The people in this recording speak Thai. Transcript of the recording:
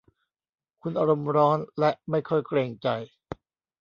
คุณอารมณ์ร้อนและไม่ค่อยเกรงใจ